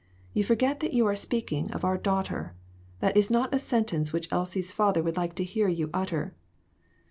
You forget that you are speaking of our daughter. That is not a sentence which Elsie's father would like to hear you utter."